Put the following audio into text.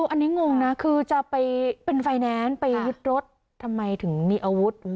อันนี้งงนะคือจะไปเป็นไฟแนนซ์ไปยึดรถทำไมถึงมีอาวุธ